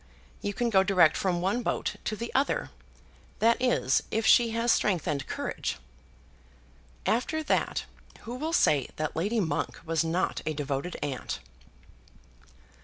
You can go direct from one boat to the other, that is, if she has strength and courage." After that, who will say that Lady Monk was not a devoted aunt?